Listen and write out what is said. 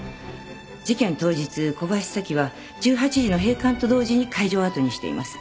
事件当日小林早紀は１８時の閉館と同時に会場をあとにしています。